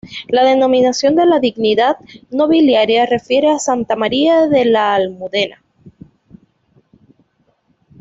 La denominación de la dignidad nobiliaria refiere a Santa María de la Almudena.